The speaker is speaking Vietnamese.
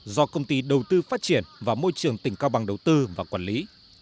do công ty đầu tư phát triển và môi trường tỉnh cao bằng đầu tư và quản lý